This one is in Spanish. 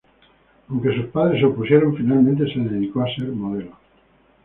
Aunque sus padres se opusieron finalmente se dedicó a ser modelo.